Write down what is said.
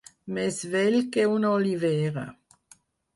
Més vell que una olivera.